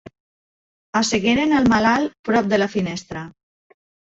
Assegueren el malalt prop de la finestra.